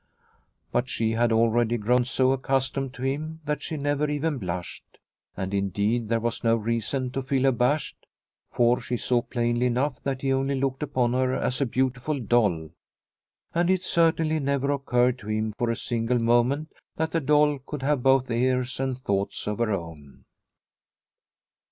But she had already grown so accustomed to him that she never even blushed. And indeed there was no reason to feel abashed, for she saw plainly enough that he only looked upon her as a beautiful doll, and it certainly never occurred to him for a single moment that the doll could have both ears and thoughts of her own.